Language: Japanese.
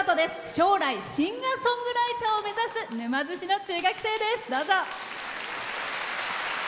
将来シンガーソングライターを目指す沼津市の中学です。